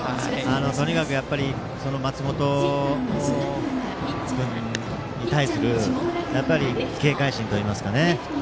とにかく松本君に対する警戒心といいますか。